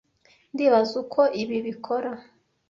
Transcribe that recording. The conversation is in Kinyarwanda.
Ndibaza uko ibi bikora.